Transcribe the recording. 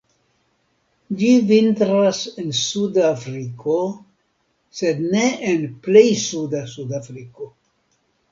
Ĝi vintras en Suda Afriko, sed ne en plej suda Sudafriko.